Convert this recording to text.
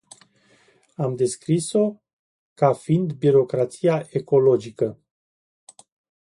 Am descris-o ca fiind "birocrația ecologică”.